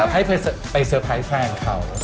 ให้ไปเซอร์ไพรส์แฟนเขา